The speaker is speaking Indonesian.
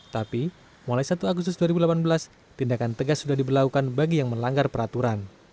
tapi mulai satu agustus dua ribu delapan belas tindakan tegas sudah diberlakukan bagi yang melanggar peraturan